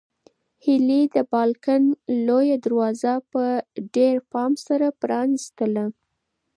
هیلې د بالکن لویه دروازه په ډېر پام سره پرانیستله.